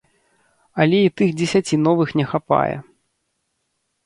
Але і тых дзесяці новых не хапае.